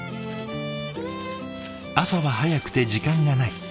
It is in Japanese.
朝は早くて時間がない。